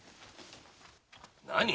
何？